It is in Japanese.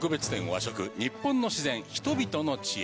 「和食日本の自然、人々の知恵」